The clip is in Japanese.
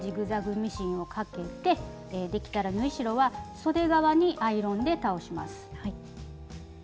ミシンをかけてできたら縫い代はそで側にアイロンで倒します。